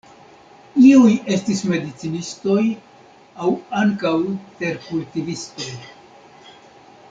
Iuj estis medicinistoj aŭ ankaŭ terkultivistoj.